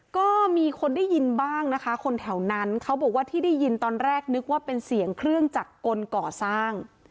ก็มีคนได้ยินบ้างนะคะคนแถวนั้นเขาบอกว่าที่ได้ยินตอนแรกนึกว่าเป็นเสียงเครื่องจักรกลก่อสร้าง